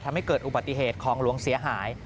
ทำให้เกิดอุบัติเหตุของหลวงเสียหาย